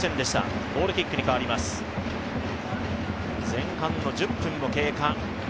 前半の１０分の経過。